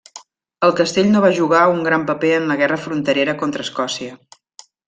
El castell no va jugar un gran paper en la guerra fronterera contra Escòcia.